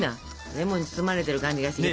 レモンに包まれてる感じがしてきた。